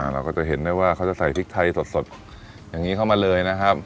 เราก็จะเห็นได้ว่าเขาจะใส่พริกไทยสดอย่างนี้เข้ามาเลยนะครับ